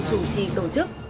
chủ trì tổ chức